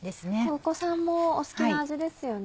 お子さんもお好きな味ですよね。